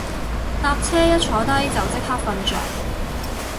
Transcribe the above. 搭車一坐低就即刻瞓着